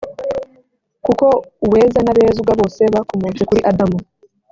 kuko uweza n’abezwa bose bakomotse kuri adamu